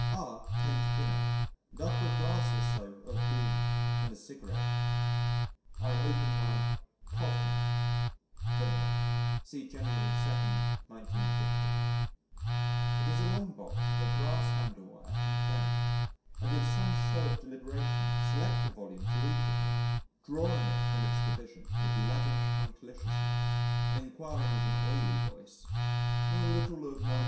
R came to dinner and after a glass or so of Beaune and a cigarette, I open my "coffin" (it is a long box with a brass handle at each end), and with some show of deliberation select a volume to read to him, drawing it from its division with lavish punctiliousness, and inquiring with an oily voice, "A little of 1912?"